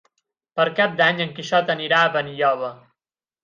Per Cap d'Any en Quixot anirà a Benilloba.